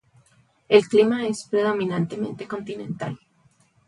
El clima es predominantemente continental.